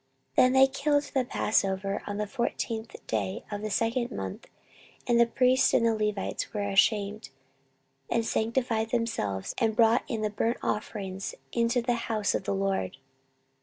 14:030:015 Then they killed the passover on the fourteenth day of the second month: and the priests and the Levites were ashamed, and sanctified themselves, and brought in the burnt offerings into the house of the LORD.